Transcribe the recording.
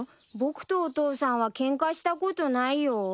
僕とお父さんはケンカしたことないよ。